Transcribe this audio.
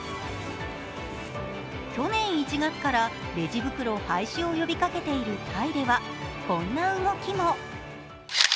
去年１月からレジ袋廃止を呼びかけているタイではこんな動きも。